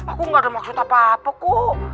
aku gak ada maksud apa apa kok